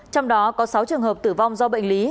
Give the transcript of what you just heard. trong đó có sáu trường hợp tử vong do bệnh lý